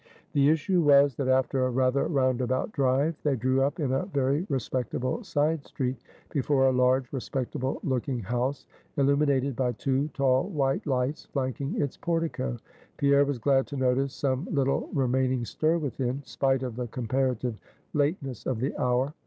The issue was, that after a rather roundabout drive they drew up in a very respectable side street, before a large respectable looking house, illuminated by two tall white lights flanking its portico. Pierre was glad to notice some little remaining stir within, spite of the comparative lateness of the hour.